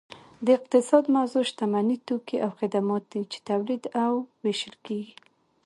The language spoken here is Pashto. د اقتصاد موضوع شتمني توکي او خدمات دي چې تولید او ویشل کیږي